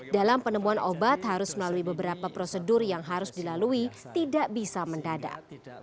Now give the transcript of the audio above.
dalam penemuan obat harus melalui beberapa prosedur yang harus dilalui tidak bisa mendadak